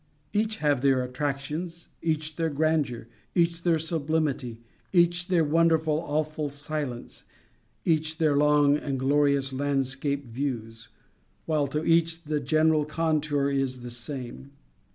Each have their attractions, each their grandeur, each their sublimity, each their wonderful, awful silence, each their long and glorious landscape views, while, to each, the general contour is the same.